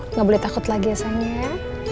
nggak boleh takut lagi ya sayangnya